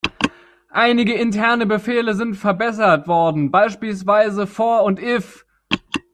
Einige interne Befehle sind verbessert worden, beispielsweise "for" und "if".